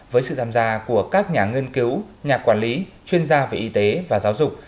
với sự tham gia của các nhà nghiên cứu nhà quản lý chuyên gia về y tế và giáo dục